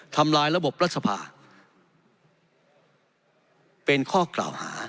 ทำลายระบบรัฐสภาเป็นข้อกล่าวหา